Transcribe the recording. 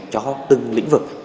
cho từng lĩnh vực